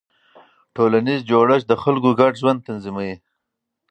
ټولنیز جوړښت د خلکو ګډ ژوند تنظیموي.